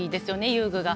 遊具が。